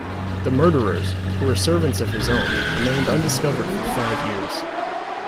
The murderers, who were servants of his own, remained undiscovered for five years.